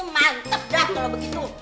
mantep dah kalo begitu